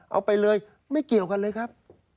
เอาไปเลยไม่เกี่ยวกันเลยครับ